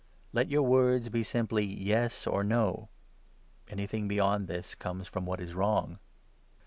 Let your 37 words be simply ' Yes ' or ' No '; anything beyond this comes from what is wrong.